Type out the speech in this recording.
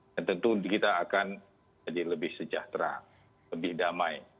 dan tentu kita akan jadi lebih sejahtera lebih damai